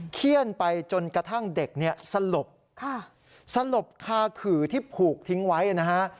เขี้ยนไปจนกระทั่งเด็กเนี่ยสลบสลบคาขื่อที่ผูกทิ้งไว้นะฮะ